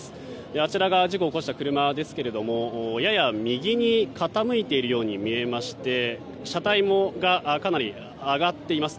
あちらが事故を起こした車ですがやや右に傾いているように見えまして車体が、かなり上がっています。